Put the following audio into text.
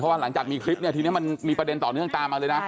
ว่าหลังจากมีคลิปเนี่ยทีนี้มันมีประเด็นต่อเนื่องตามมาเลยนะ